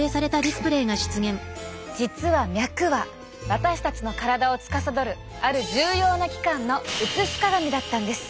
実は脈は私たちの体をつかさどるある重要な器官の映し鏡だったんです。